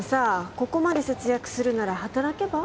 ここまで節約するなら働けば？